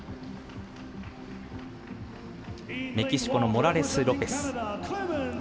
メキシコのモラレスロペス。